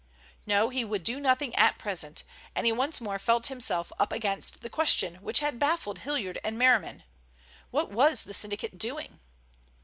No, he would do nothing at present, and he once more felt himself up against the question which had baffled Hilliard and Merriman—What was the syndicate doing?